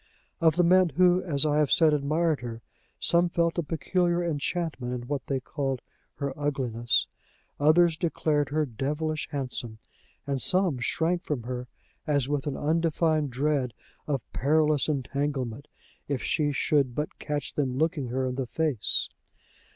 Of the men who, as I have said, admired her, some felt a peculiar enchantment in what they called her ugliness; others declared her devilish handsome; and some shrank from her as if with an undefined dread of perilous entanglement, if she should but catch them looking her in the face.